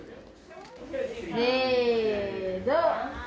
せーの。